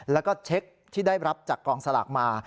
แล้วก็เช็คที่ได้รับจากกองสลากมา